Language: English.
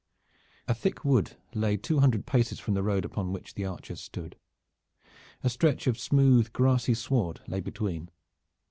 A thick wood lay two hundred paces from the road upon which the archers stood. A stretch of smooth grassy sward lay between.